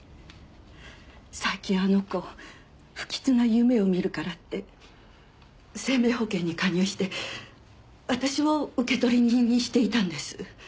最近あの子不吉な夢を見るからって生命保険に加入して私を受取人にしていたんです。